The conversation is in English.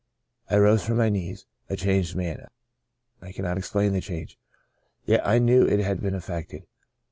" I rose from my knees a changed man. I cannot explain the change. Yet I knew it had been effected.